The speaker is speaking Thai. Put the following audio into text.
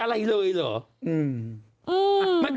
กันอะไรได้ไหม